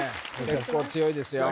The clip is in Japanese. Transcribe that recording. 結構強いですよ